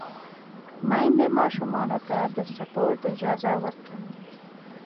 میندې ماشومانو ته د سپورت اجازه ورکوي۔